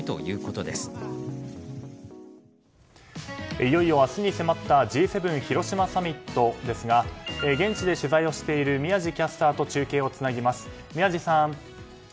いよいよ明日に迫ったＧ７広島サミットですが現地で取材をしている宮司キャスターと中継をつなぎます。